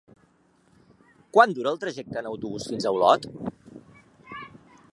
Quant dura el trajecte en autobús fins a Olot?